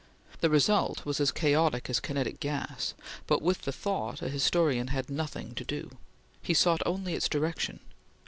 The result was as chaotic as kinetic gas; but with the thought a historian had nothing to do. He sought only its direction.